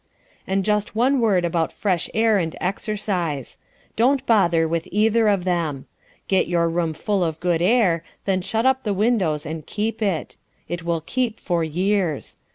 And just one word about fresh air and exercise. Don't bother with either of them. Get your room full of good air, then shut up the windows and keep it. It will keep for years.